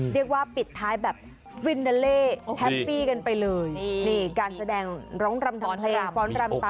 เรียกว่าปิดท้ายแบบฟินนาเล่แฮปปี้กันไปเลยนี่การแสดงร้องรำทำเพลงฟ้อนรำตาม